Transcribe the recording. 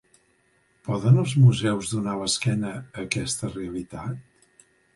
Poden els museus donar l'esquena a aquesta realitat?